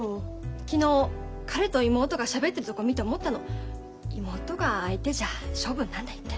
昨日彼と妹がしゃべってるとこ見て思ったの妹が相手じゃ勝負になんないって。